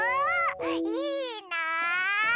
いいな！